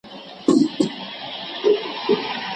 کمپيوټر د پروژو بشپړول ګړندي کوي او دقت زياتوي.